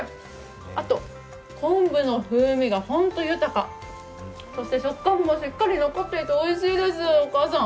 あと昆布の風味がほんと豊か、そして食感もしっかり残っていて、おいしいです、お母さん。